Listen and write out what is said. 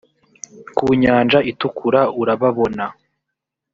kunyanja itukura urababona.